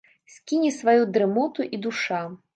Скіне сваю дрымоту і душа.